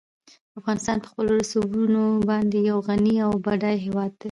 افغانستان په خپلو رسوبونو باندې یو غني او بډای هېواد دی.